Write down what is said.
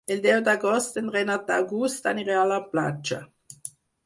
El deu d'agost en Renat August anirà a la platja.